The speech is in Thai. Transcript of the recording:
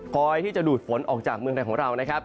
คอยที่จะดูดฝนออกจากเมืองไทยของเรานะครับ